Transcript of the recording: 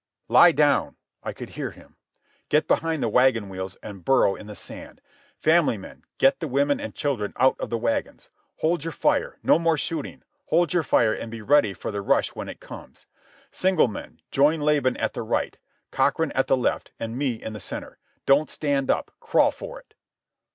"Lie down!" I could hear him. "Get behind the wagon wheels and burrow in the sand! Family men, get the women and children out of the wagons! Hold your fire! No more shooting! Hold your fire and be ready for the rush when it comes! Single men, join Laban at the right, Cochrane at the left, and me in the centre! Don't stand up! Crawl for it!"